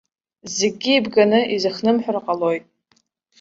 Зегьгьы еибганы изыхнымҳәыр ҟалоит.